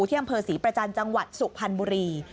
เครื่องเพอสีประจันทร์จังหวัดสุพรรณบุรี